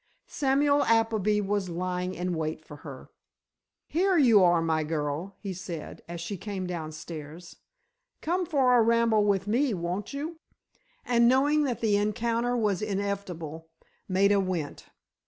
Samuel Appleby was lying in wait for her. "Here you are, my girl," he said, as she came downstairs. "Come for a ramble with me, won't you?" And, knowing that the encounter was inevitable, Maida went.